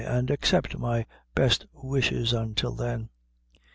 and accept my best wishes until then."